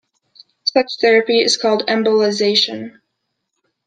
Such therapy is called embolization.